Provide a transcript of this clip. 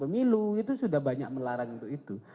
pemilu itu sudah banyak melarang untuk itu